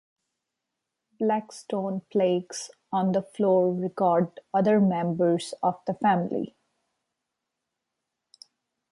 Black stone plaques on the floor record other members of the family.